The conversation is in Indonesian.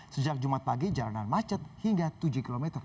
sejak jumat pagi jalanan macet hingga tujuh km